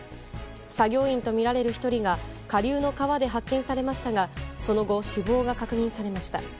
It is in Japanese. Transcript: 作業員とみられる１人が下流の川で発見されましたがその後、死亡が確認されました。